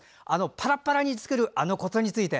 パラパラに作るあのコツについて。